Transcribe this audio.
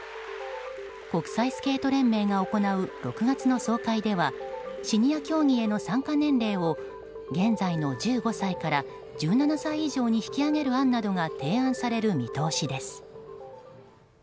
国際スケート連盟が行う６月の総会ではシニア競技への参加年齢を現在の１５歳から１７歳以上に引き上げる案などが提案される見通しです。